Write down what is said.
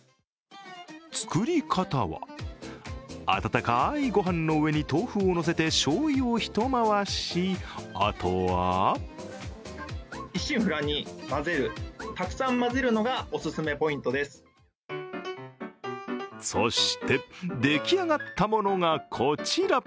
作り方は温かいごはんの上に豆腐をのせてしょうゆをひと回し、あとはそして、できあがったものがこちら。